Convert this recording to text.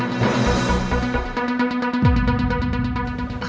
masih ada yang kurang ya